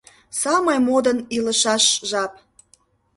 Самой модын илышаш жап.